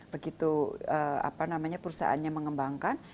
begitu perusahaannya mengembangkan